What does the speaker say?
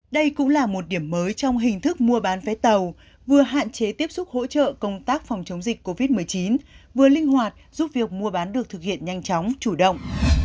đây cũng là một điểm mới trong hình thức mua bán vé tàu vừa hạn chế tiếp xúc hỗ trợ công tác phòng chống dịch covid một mươi chín vừa linh hoạt giúp việc mua bán được thực hiện nhanh chóng chủ động